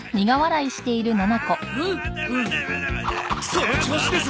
その調子です。